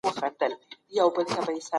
د علمي او فکري پرمختګ لپاره تل هڅه وکړئ.